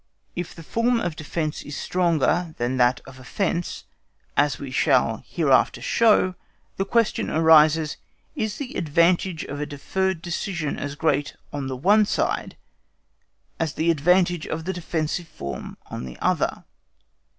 If the form of defence is stronger than that of offence, as we shall hereafter show, the question arises, Is the advantage of a deferred decision as great on the one side as the advantage of the defensive form on the other?